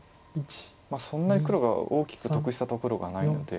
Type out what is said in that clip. そんなに黒が大きく得したところがないので。